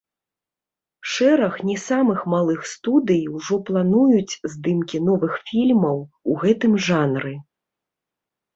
Шэраг не самых малых студый ужо плануюць здымкі новых фільмаў у гэтым жанры.